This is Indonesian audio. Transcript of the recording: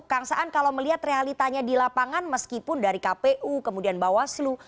kang saan kalau melihat realitanya di lapangan meskipun dari kpu kemudian bawaslu